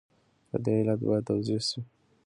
د دې علت باید توضیح شي.